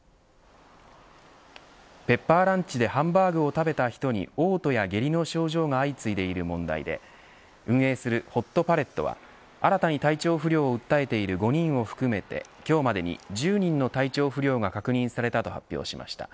ペッパーランチでハンバーグを食べた人に嘔吐や下痢の症状が相次いでいる問題で運営するホットパレットは新たに体調不良を訴えている５人を含めて今日までに１０人の体調不良が確認されたと発表しました。